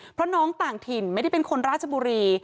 เพราะน้องต่างถิ่นไม่ได้เป็นคนราชบุรี